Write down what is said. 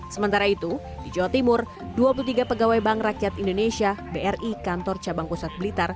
sementara itu di jawa timur dua puluh tiga pegawai bank rakyat indonesia